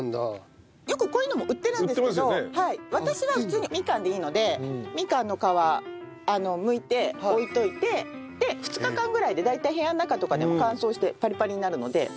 よくこういうのも売ってるんですけど私は普通にみかんでいいのでみかんの皮むいて置いといてで２日間ぐらいで大体部屋の中とかでも乾燥してパリパリになるので。